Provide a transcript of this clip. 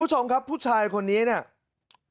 คุณผู้ชมครับผู้ชายคนนี้เนี่ย